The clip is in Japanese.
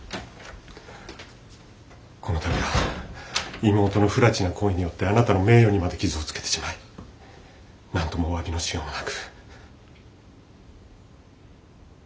この度は妹の不埒な行為によってあなたの名誉にまで傷をつけてしまい何ともおわびのしようもなく。